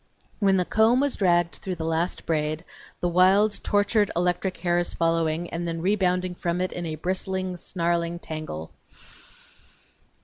When the comb was dragged through the last braid, the wild, tortured, electric hairs following, and then rebounding from it in a bristling, snarling tangle.